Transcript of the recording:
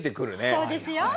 そうですよ。